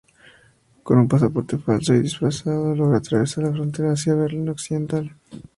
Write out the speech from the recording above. Con un pasaporte falso y disfrazado logra atravesar la frontera hacia Berlín Occidental.